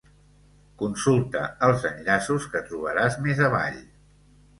Consulta els enllaços que trobaràs més avall.